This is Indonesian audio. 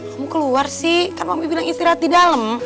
kamu keluar sih kan kamu bilang istirahat di dalam